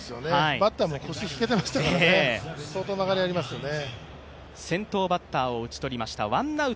バッターも腰引けてましたから、相当、曲がりがありますよね。